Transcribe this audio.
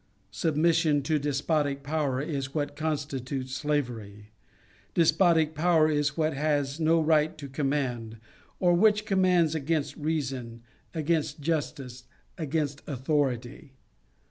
Submission to despotic power is what con stitutes slavery. Despotic power is that which has no right to command, or which commands against reason, against justice, against authority.